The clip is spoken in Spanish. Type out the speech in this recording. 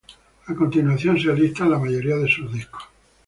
A continuación se listan la mayoría de sus discos.